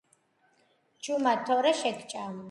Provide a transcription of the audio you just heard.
ჩუმად თორემ მე შეგჭამ